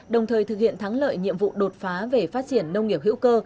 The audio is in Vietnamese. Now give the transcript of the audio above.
đồng thời thực hiện thắng lợi nhiệm vụ đột phá về phát triển nông nghiệp hữu cơ